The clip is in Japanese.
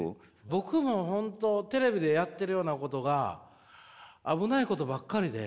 僕も本当テレビでやってるようなことが危ないことばっかりで。